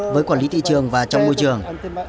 với quản lý thị trường và trong môi trường